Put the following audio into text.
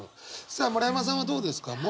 さあ村山さんはどうですか？